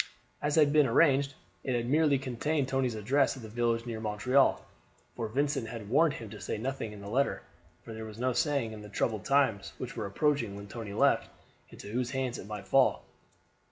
As had been arranged, it had merely contained Tony's address at a village near Montreal; for Vincent had warned him to say nothing in the letter, for there was no saying, in the troubled times which were approaching when Tony left, into whose hands it might fall.